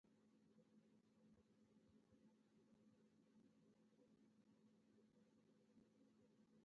هره ورځ ستا هغه دسمال چې له کوټې څخه دې رالېږلى و.